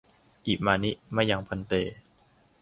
อิมานิ มะยัง ภันเต